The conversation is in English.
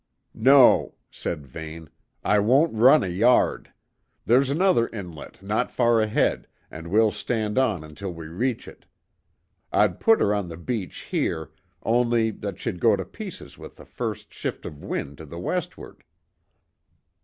"No," said Vane; "I won't run a yard. There's another inlet not far ahead, and we'll stand on until we reach it. I'd put her on the beach here, only that she'd go to pieces with the first shift of wind to the westward."